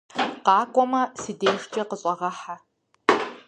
Къакӏуэмэ, си дежкӀэ къыщӀэгъэхьэ.